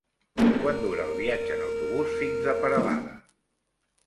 Quant dura el viatge en autobús fins a Peralada?